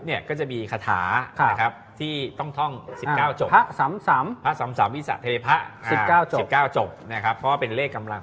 เล็กเล็กเล็กเล็กเล็กเล็กเล็กเล็กเล็กเล็กเล็กเล็กเล็กเล็กเล็ก